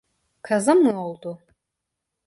Kaza mı oldu?